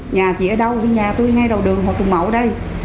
nhà chị ở đâu thì nhà tôi ngay đầu đường hồ tùng mậu đây